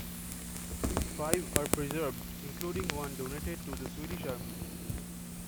Five are preserved, including one donated to the Swedish Army.